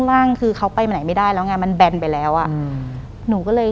หลังจากนั้นเราไม่ได้คุยกันนะคะเดินเข้าบ้านอืม